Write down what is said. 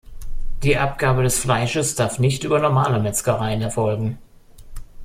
Die Abgabe des Fleisches darf nicht über normale Metzgereien erfolgen.